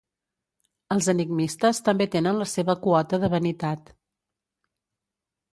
Els enigmistes també tenen la seva quota de vanitat.